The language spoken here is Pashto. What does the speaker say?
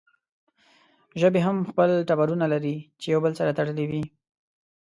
ژبې هم خپل ټبرونه لري چې يو بل سره تړلې وي